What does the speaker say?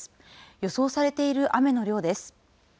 予想されている雨の量です。